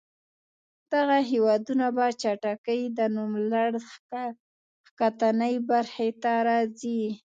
دغه هېوادونه به په چټکۍ د نوملړ ښکتنۍ برخې ته راځي.